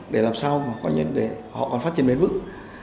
để làm sao mà họ còn phát triển mềm vững